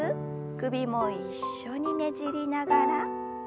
首も一緒にねじりながら。